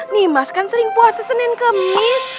nih mas kan sering puasa senin kemit